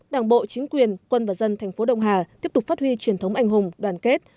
đảng bộ chính quyền quân và dân thành phố đông hà tiếp tục phát huy truyền thống anh hùng đoàn kết